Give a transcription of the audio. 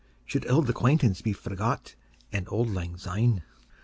Should auld acquaintance be forgot, And days o' lang syne?